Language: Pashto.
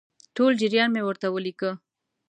ټول جریان مې ورته ولیکه.